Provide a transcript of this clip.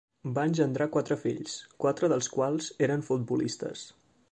Va engendrar quatre fills, quatre dels quals eren futbolistes.